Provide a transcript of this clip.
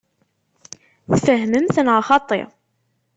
Tfehmemt neɣ xaṭi?